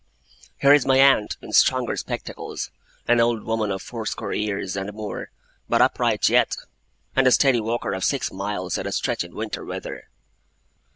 Here is my aunt, in stronger spectacles, an old woman of four score years and more, but upright yet, and a steady walker of six miles at a stretch in winter weather.